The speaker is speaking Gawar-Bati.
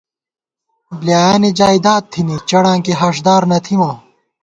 بۡلیایانی جائدادتھنی چڑاں کی ہاݭدار نہ تھِمہ